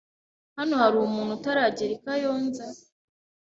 Hano hari umuntu utaragera i Kayonza?